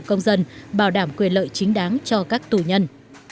công dân bảo đảm quyền lợi chính đáng cho các tù nhân